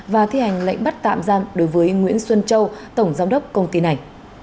và thi hành lệnh bắt tạm giam đối với nguyễn xuân châu tổng giám đốc công ty này